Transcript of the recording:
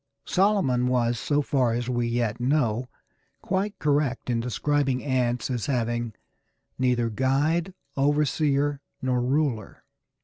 Solomon was, so far as we yet know, quite correct in describing ants as having "neither guide, overseer, nor ruler."